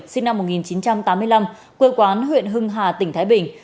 sinh năm một nghìn chín trăm tám mươi năm quê quán huyện hưng hà tỉnh thái bình